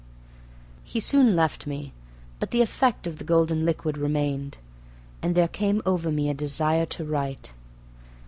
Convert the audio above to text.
He soon left me, but the effect of the golden liquid remained, and there came over me a desire to write.